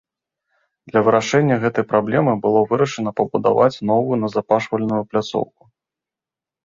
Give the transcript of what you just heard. Для вырашэння гэтай праблемы было вырашана пабудаваць новую назапашвальную пляцоўку.